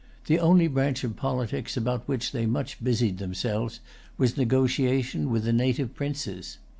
The only branch of politics about which they much busied themselves was negotiation with the native princes.